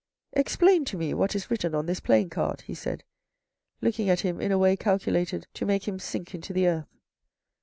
" Explain to me what is written on this playing card ?" he said, looking at him in a way calculated to make him sink into the earth.